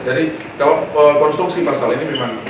jadi kalau konstruksi pasal ini memang